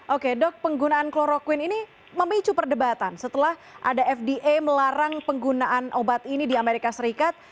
oke dok penggunaan kloroquine ini memicu perdebatan setelah ada fda melarang penggunaan obat ini di amerika serikat